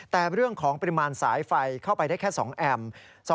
แต่เรื่องของปริมาณสายไฟเข้าไปได้แค่๒แอม